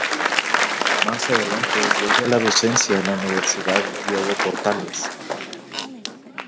Más adelante vuelve a la docencia en la Universidad Diego Portales.